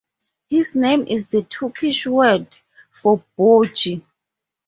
His name is the Turkish word for bogie.